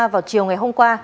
vào chiều ngày hôm qua